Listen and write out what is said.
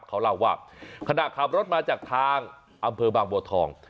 เขาเล่าว่าขณะขับรถมาจากทางอำเภอบางบัวทอง